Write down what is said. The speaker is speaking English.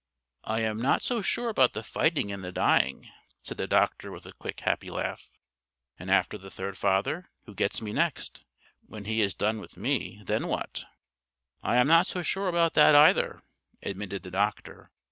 "I am not so sure about the fighting and the dying," said the doctor with a quick, happy laugh. "And after the third Father who gets me next? When He is done with me, then what?" "I am not so sure about that, either," admitted the doctor.